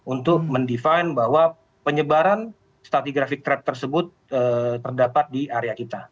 untuk mendefine bahwa penyebaran statigraphic trap tersebut terdapat di area kita